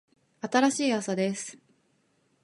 新しい朝です。